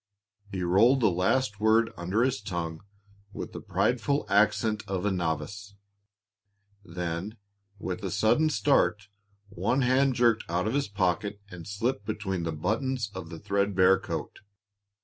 He rolled the last word under his tongue with the prideful accent of a novice. Then, with a sudden start, one hand jerked out of his pocket and slipped between the buttons of the thread bare coat.